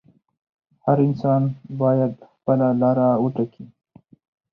هر انسان باید خپله لاره وټاکي.